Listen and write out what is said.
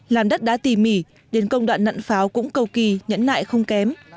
làm đất đã tỉ mỉ đến công đoạn nặn pháo cũng cầu kỳ nhẫn nại không kém